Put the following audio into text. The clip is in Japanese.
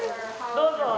どうぞ。